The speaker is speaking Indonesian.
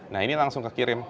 nah ini langsung kekirim